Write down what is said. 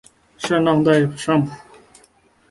圣让代尚普。